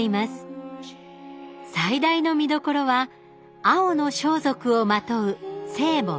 最大の見どころは青の装束を纏う聖母